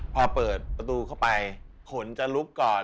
พอเปิดประตูเข้าไปผลจะลุกก่อน